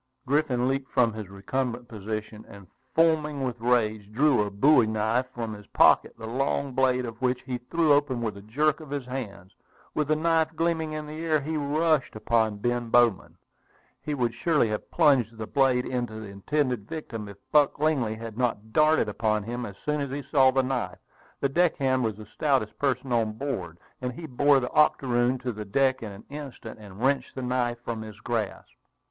Griffin leaped from his recumbent position, and, foaming with rage, drew a bowie knife from his pocket, the long blade of which he threw open with a jerk of his hand. With the knife gleaming in the air, he rushed upon Ben Bowman. He would surely have plunged the blade into his intended victim, if Buck Lingley had not darted upon him as soon as he saw the knife. The deckhand was the stoutest person on board, and he bore the octoroon to the deck in an instant, and wrenched the knife from his grasp.